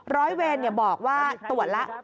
ร้อยเวรบอกว่าตรวจแล้ว